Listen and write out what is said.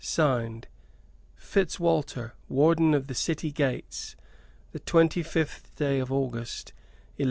"(Signed) FITZWALTER, Warden of the City Gates. "The twenty fifth day of August, 1188."